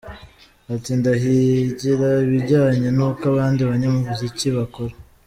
Ati "Ndahigira ibijyanye n’uko abandi banyamuziki bakora.